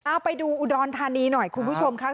เอาไปดูอุดรธานีหน่อยคุณผู้ชมค่ะ